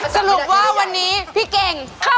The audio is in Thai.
สมมติว่าวันนี้พี่เก่งเข้าโดร